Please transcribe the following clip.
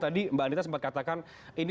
tadi mbak anita sempat katakan ini